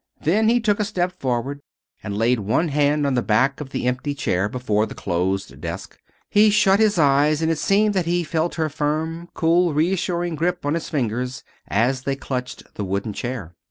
Then he took a step forward and laid one hand on the back of the empty chair before the closed desk. He shut his eyes and it seemed that he felt her firm, cool, reassuring grip on his fingers as they clutched the wooden chair.